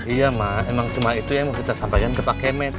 iya mak emang cuma itu yang mau kita sampaikan ke pak kemen